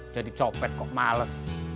jadi copet kok males